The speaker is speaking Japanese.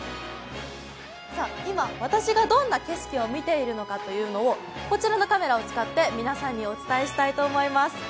今、私がどんな景色を見ているのかをこちらのカメラを使って、皆さんにお伝えしたいと思います。